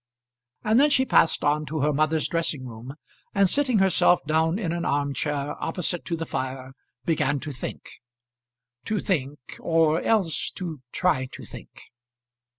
And then she passed on to her mother's dressing room, and sitting herself down in an arm chair opposite to the fire began to think to think, or else to try to think.